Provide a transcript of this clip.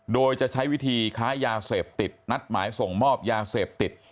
โดยจะใช้วิธีค้ายาเสพติดนัดหมายส่งมอบยาเสพติด